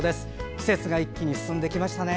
季節が一気に進んできましたね。